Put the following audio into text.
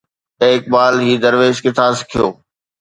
اي اقبال هي درويش ڪٿان سکيو؟